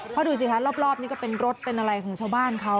เพราะดูสิคะรอบนี้ก็เป็นรถเป็นอะไรของชาวบ้านเขา